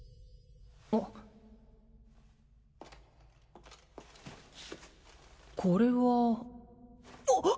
あっこれはあっ！